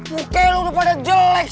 muka lo udah pada jelek